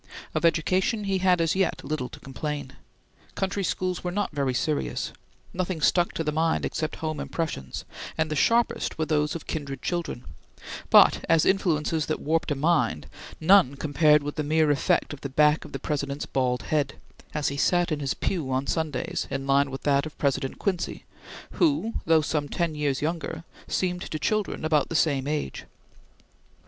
Of education he had as yet little to complain. Country schools were not very serious. Nothing stuck to the mind except home impressions, and the sharpest were those of kindred children; but as influences that warped a mind, none compared with the mere effect of the back of the President's bald head, as he sat in his pew on Sundays, in line with that of President Quincy, who, though some ten years younger, seemed to children about the same age.